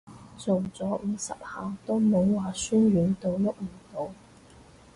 做咗五十下都冇話痠軟到郁唔到